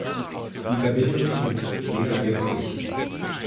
Die Verbindung ist sehr giftig.